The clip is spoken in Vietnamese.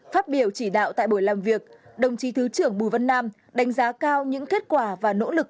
phát biểu chỉ đạo tại buổi làm việc đồng chí thứ trưởng bùi văn nam đánh giá cao những kết quả và nỗ lực